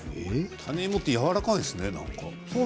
種芋はやわらかいですね。